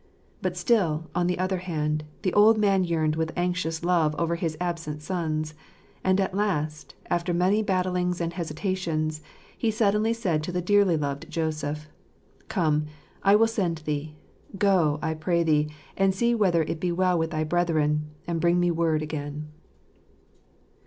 But still, on the other hand, the old man yearned with anxious love over his absent sons; and at last, after many battlings and hesitations, he suddenly said to the dearly loved Joseph, " Come, I will send thee : go, I pray thee, and see whether it be well with thy brethren, and bring me word again."